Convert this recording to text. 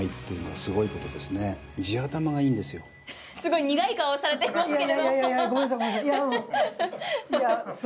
すごい苦い顔をされてますけど。